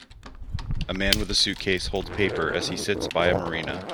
A man with a suitcase holds paper as he sits by a marina.